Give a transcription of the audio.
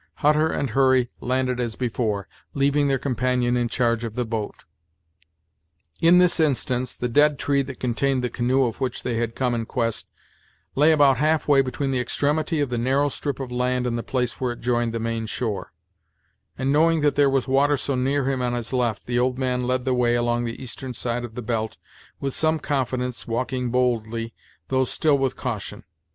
Hutter and Hurry landed as before, leaving their companion in charge of the boat. In this instance, the dead tree that contained the canoe of which they had come in quest lay about half way between the extremity of the narrow slip of land and the place where it joined the main shore; and knowing that there was water so near him on his left, the old man led the way along the eastern side of the belt with some confidence walking boldly, though still with caution.